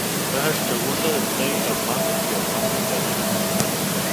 Es el segundo de seis hermanos y hermanas de origen hispano.